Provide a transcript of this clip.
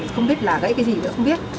không biết là gãy cái gì nữa không biết